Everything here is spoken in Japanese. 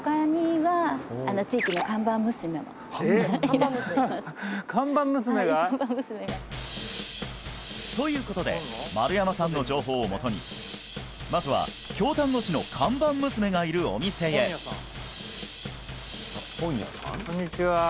はい看板娘がということで丸山さんの情報をもとにまずは京丹後市の看板娘がいるお店へこんにちは